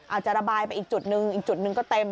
อาจจะระบายไปอีกจุดนึงอีกจุดหนึ่งก็เต็ม